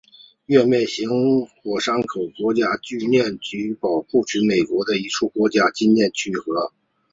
月面环形火山口国家纪念区及保护区是美国的一处国家纪念区和。